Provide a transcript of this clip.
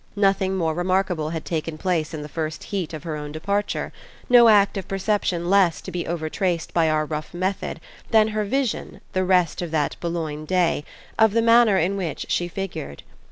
Nothing more remarkable had taken place in the first heat of her own departure, no act of perception less to be overtraced by our rough method, than her vision, the rest of that Boulogne day, of the manner in which she figured.